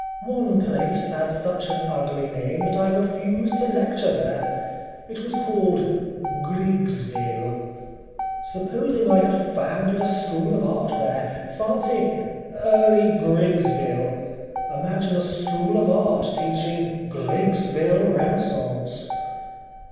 One place had such an ugly name that I refused to lecture there. It was called Grigsville. Supposing I had founded a school of Art there fancy ŌĆ£Early Grigsville.ŌĆØ Imagine a School of Art teaching ŌĆ£Grigsville Renaissance.